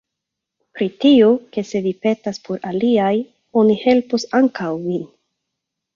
Pri tio, ke se vi petas por aliaj, oni helpos ankaŭ vin.